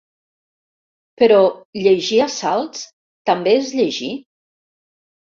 Però llegir a salts, també és llegir?